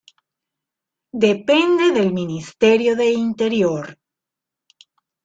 Depende del Ministerio de Interior.